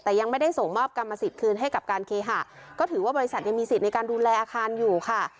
แต่ยังไม่ได้ส่งมอบกรรมสิทธิ์คืนให้กับการเคหะก็ถือว่าบริษัทยังมีสิทธิ์ในการดูแลอาคารอยู่ค่ะ